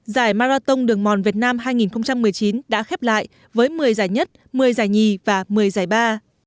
giải marathon đường mòn việt nam hai nghìn một mươi chín đã khép lại với một mươi giải nhất một mươi giải nhì và một mươi giải ba